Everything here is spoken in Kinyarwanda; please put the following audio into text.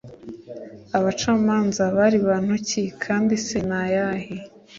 abacamanza bari bantu ki kandi se ni ayahe